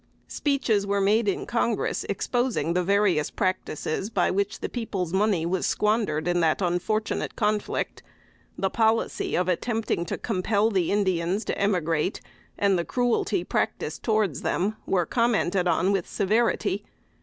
Speeches were made in Congress exposing the various practices by which the people's money was squandered in that unfortunate conflict; the policy of attempting to compel the Indians to emigrate, and the cruelty practiced towards them, were commented on with severity.